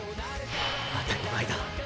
当たり前だ。